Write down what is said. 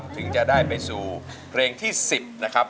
ถึงจะได้ไปสู่เพลงที่๑๐นะครับ